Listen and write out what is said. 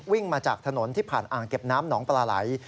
วิ่งมาจากถนนที่ผ่านอ่างเก็บน้ำหนองปลาไหล